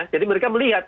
jadi mereka melihat